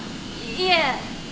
いえ。